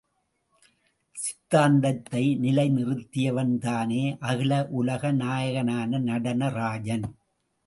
சித்தாந்தத்தை நிலை நிறுத்தியவன்தானே அகில உலக நாயகனான நடன ராஜன்.